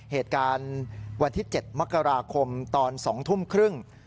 เหตุการณ์วันที่๗มกราคมตอน๒ทุ่มครึ่ง